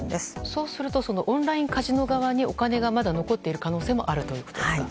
そうするとオンラインカジノ側にお金がまだ残っている可能性もあるということですか。